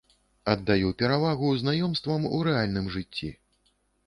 Аддаю перавагу знаёмствам у рэальным жыцці.